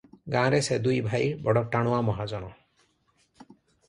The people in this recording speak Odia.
ଗାଁ ରେ ସେ ଦୁଇ ଭାଇ ବଡ ଟାଣୁଆ ମହାଜନ ।